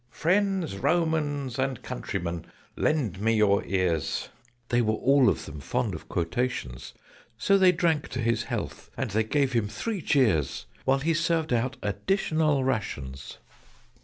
"Friends, Romans, and countrymen, lend me your ears! (They were all of them fond of quotations: So they drank to his health, and they gave him three cheers While he served out additional rations).